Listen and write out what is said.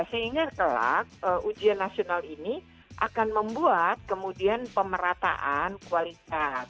sehingga kelak ujian nasional ini akan membuat kemudian pemerataan kualitas